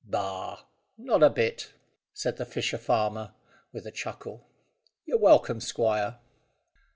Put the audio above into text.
"Bah! Not a bit," said the fisher farmer, with a chuckle. "You're welcome, squire."